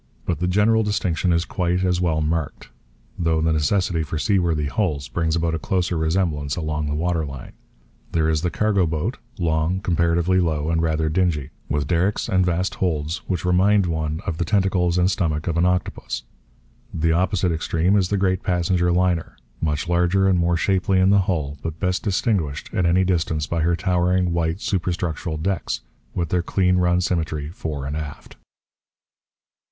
But the general distinction is quite as well marked, though the necessity for seaworthy hulls brings about a closer resemblance along the water line. There is the cargo boat, long, comparatively low, and rather dingy; with derricks and vast holds, which remind one of the tentacles and stomach of an octopus. The opposite extreme is the great passenger liner, much larger and more shapely in the hull; but best distinguished, at any distance, by her towering, white, superstructural decks, with their clean run symmetry fore and aft.